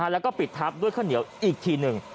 แล้วก็ปิดทับด้วยข้าวเหนียวอีกทีหนึ่ง